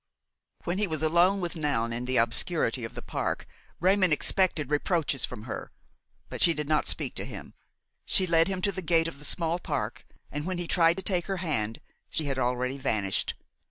When he was alone with Noun in the obscurity of the park, Raymon expected reproaches from her; but she did not speak to him. She led him to the gate of the small park, and, when he tried to take her hand, she had already vanished.